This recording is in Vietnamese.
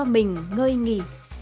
mình ngơi nghỉ